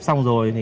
xong rồi thì